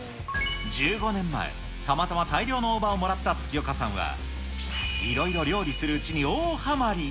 １５年前、たまたま大量の大葉をもらった月岡さんは、いろいろ料理するうちに大はまり。